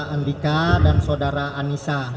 andika dan saudara anissa